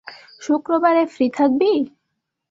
শুক্রবারে ফ্রি থাকবি?